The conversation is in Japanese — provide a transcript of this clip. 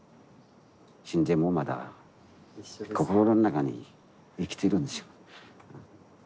死んでもまだ心の中に生きてるんですよ。